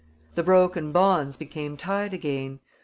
The broken bonds became tied again.